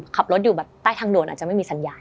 ขับรถอยู่แบบใต้ทางด่วนอาจจะไม่มีสัญญาณ